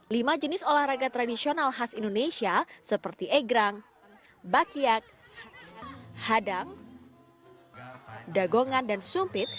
lima jenis olahraga tradisional khas indonesia seperti egrang bakyak hadang dagongan dan sumpit